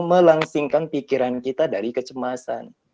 melangsingkan pikiran kita dari kecemasan